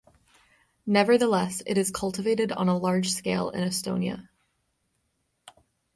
Nevertheless, it is cultivated on a large scale in Estonia.